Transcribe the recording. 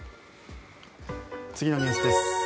次のニュースです。